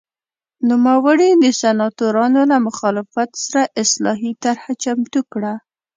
نوموړي د سناتورانو له مخالفت سره اصلاحي طرحه چمتو کړه